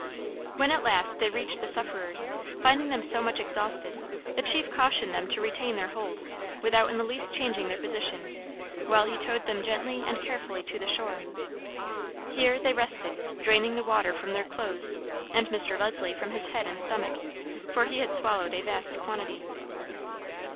When, at last, they reached the sufferers, finding them so much exhausted, the chief cautioned them to retain their hold, without in the least changing their position, while he towed them gently and carefully to the shore. Here they rested, draining the water from their clothes, and Mr. Leslie from his head and stomach, for he had swallowed a vast quantity.